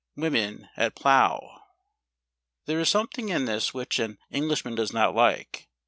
Women at Plough. There is something in this which an English¬ man does not like.